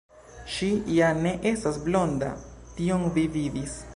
Ŝi ja ne estas blonda, tion vi vidis.